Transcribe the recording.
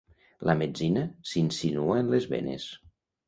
La metzina s'insinua en les venes.